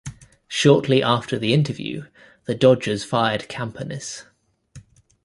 Shortly after the interview, the Dodgers fired Campanis.